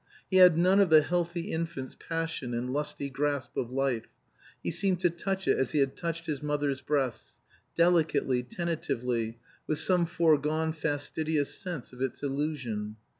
He had none of the healthy infant's passion and lusty grasp of life; he seemed to touch it as he had touched his mother's breasts, delicately, tentatively, with some foregone fastidious sense of its illusion.